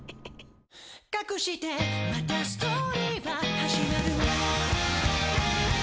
「かくしてまたストーリーは始まる」